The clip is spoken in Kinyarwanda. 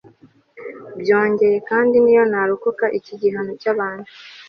byongeye kandi n'iyo narokoka iki gihano cy'abantu